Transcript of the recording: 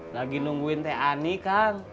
lagi nungguin teh ani kang